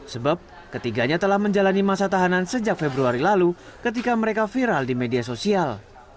sebab ketiganya telah menjalani masa tahanan sejak februari lalu ketika mereka viral di media sosial